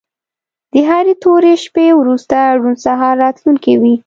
د هرې تورې شپې وروسته روڼ سهار راتلونکی وي.